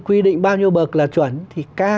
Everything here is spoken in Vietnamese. quy định bao nhiêu bậc là chuẩn thì ca